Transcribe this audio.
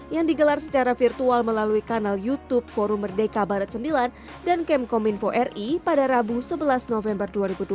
yang digelar secara virtual melalui kanal youtube forum merdeka barat sembilan dan kemkominfo ri pada rabu sebelas november dua ribu dua puluh